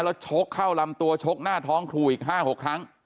แล้วชกเข้าลำตัวชกหน้าท้องครูอีก๕๖ครั้ง